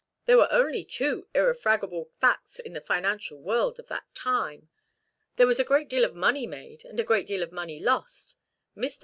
There were only two irrefragable facts in the financial world of that time. There was a great deal of money made, and a great deal of money lost. Mr.